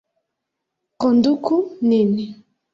Konduku nin!